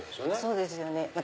そうですよね。